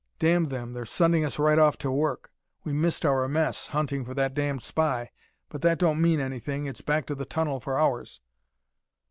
"Damn them, they're sending us right off to work! We missed our mess, hunting for that damned spy. But that don't mean anything. It's back to the tunnel for ours."